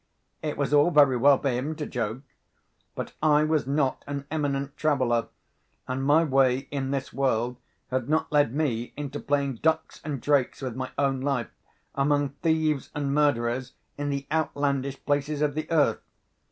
It was all very well for him to joke. But I was not an eminent traveller—and my way in this world had not led me into playing ducks and drakes with my own life, among thieves and murderers in the outlandish places of the earth.